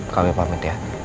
kami pamit ya